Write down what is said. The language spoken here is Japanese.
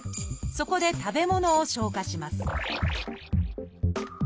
そこで食べ物を消化します